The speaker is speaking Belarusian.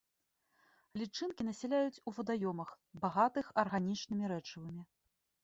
Лічынкі насяляюць у вадаёмах, багатых арганічнымі рэчывамі.